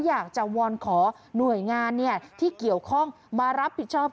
อยากจะวอนขอหน่วยงานที่เกี่ยวข้องมารับผิดชอบ